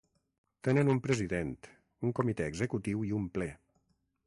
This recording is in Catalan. Tenen un president, un comitè executiu i un ple.